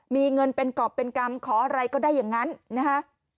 มีเงินเป็นกรอบเป็นกรรมขออะไรก็ได้อย่างนั้นนะคะ